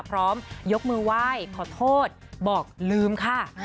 พร้อมยกมือไหว้ขอโทษบอกลืมค่ะ